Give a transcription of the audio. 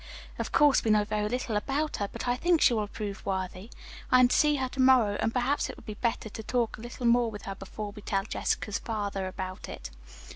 Of course we know very little about her yet, but I think she will prove worthy. I am to see her to morrow, and perhaps it would be better to talk a little more with her before we tell Jessica's father about it."